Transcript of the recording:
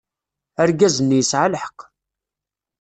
Argaz-nni yesɛa lḥeqq.